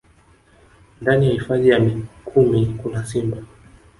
Ndani ya hifadhi ya Mikumi kuna simba